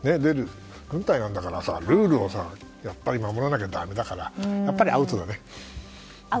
軍隊なんだからさルールをやっぱり守らなきゃだめだからやっぱりアウトだね。